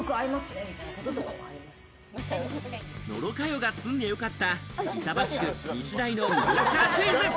野呂佳代が済んでよかった板橋区西台の魅力からクイズ。